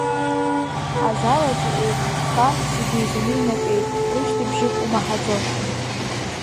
Азал аҿы еиқәыхха, зегьы еизаны инатәеит, рышьҭыбжьык умаҳаӡо.